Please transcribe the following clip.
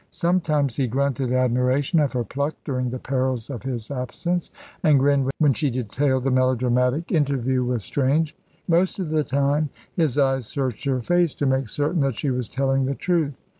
Sometimes he grunted admiration of her pluck during the perils of his absence, and grinned when she detailed the melodramatic interview with Strange. Most of the time his eyes searched her face to make certain that she was telling the truth.